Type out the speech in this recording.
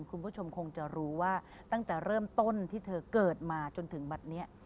คุณผู้ชมคงจะรู้ว่าตั้งแต่เริ่มต้นที่เธอเกิดมาจนถึงบัตรนี้